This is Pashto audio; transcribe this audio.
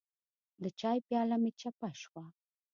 د چای پیاله مې چپه شوه.